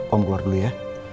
om keluar dulu ya